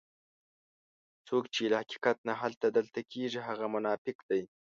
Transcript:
څوک چې له حقیقت نه هلته دلته کېږي هغه منافق دی.